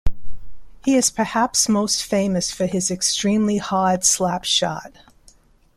He is perhaps most famous for his extremely hard slap shot.